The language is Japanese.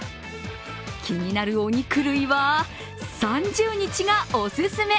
気になるお肉類は、３０日がお勧め。